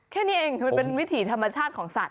แค่นี้เองคือมันเป็นวิถีธรรมชาติของสัตว